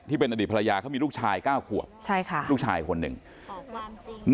ที่เป็นอดีตภรรยาเขามีลูกชาย๙ขวบใช่ค่ะลูกชายคนหนึ่งออกมา